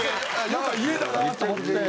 なんか家だなあと思って。